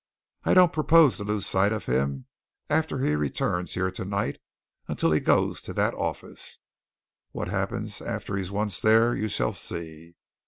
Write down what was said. I don't propose to lose sight of him after he returns here tonight until he goes to that office what happens after he's once there, you shall see.